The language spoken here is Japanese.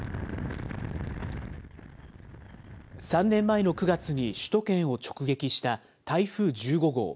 ３年前の９月に首都圏を直撃した台風１５号。